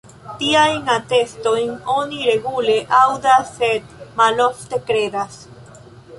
Tiajn atestojn oni regule aŭdas sed malofte kredas.